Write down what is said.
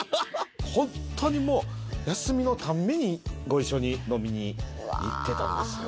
ホントにもう休みのたんびにご一緒に飲みに行ってたんですよ。